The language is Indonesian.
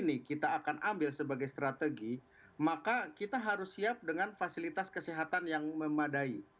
jadi kalau kita menggunakan herd immunity sebagai strategi maka kita harus siap dengan fasilitas kesehatan yang memadai